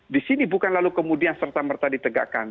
di sini bukan lalu kemudian serta merta ditegakkan